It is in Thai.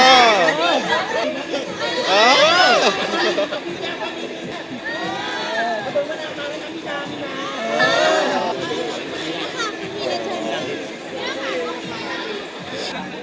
เราเลยกันเผาสูญศนีดก็ต่อกันครับ